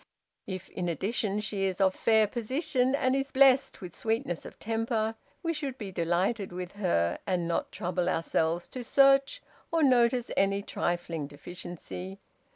If, in addition, she is of fair position, and is blessed with sweetness of temper, we should be delighted with her, and not trouble ourselves to search or notice any trifling deficiency.